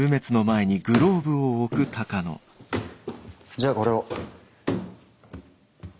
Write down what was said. じゃあこれを。